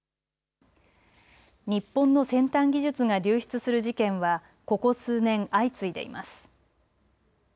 日本の先端技術が流出する事件はここ数年、相次いでいます。